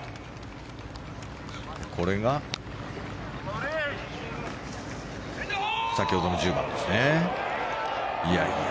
これが先ほどの１０番ですね。